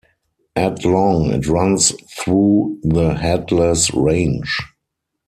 At long, it runs through the Headless Range.